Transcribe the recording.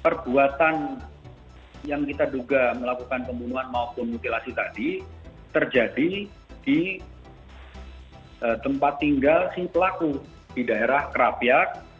perbuatan yang kita duga melakukan pembunuhan maupun mutilasi tadi terjadi di tempat tinggal si pelaku di daerah kerapiak